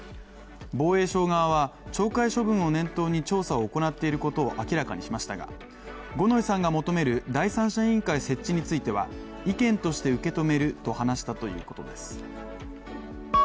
防衛省側は懲戒処分を念頭に調査を行っていることを明らかにしましたが、五ノ井さんが求める第三者委員会設置については意見として受け止めると話したということです